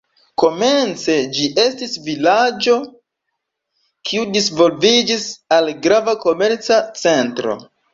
Komence ĝi estis vilaĝo, kiu disvolviĝis al grava komerca centro.